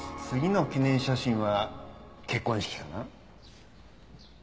次の記念写真は結婚式かな？